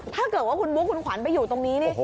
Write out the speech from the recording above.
ถ้าเกิดว่าคุณบุ๊คคุณขวัญไปอยู่ตรงนี้นี่